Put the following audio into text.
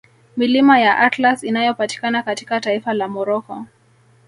Milima ya Atlas inayopatikana katika taifa la Morocco